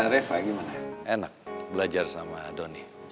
reva gimana enak belajar sama donny